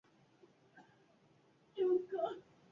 Tuvo diferentes nombres a lo largo de las diferentes dinastías.